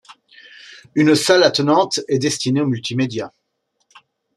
Une salle attenante est destinée au multimédia.